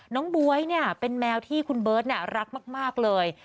บ๊วยเป็นแมวที่คุณเบิร์ตรักมากเลย